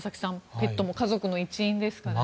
ペットも家族の一員ですからね。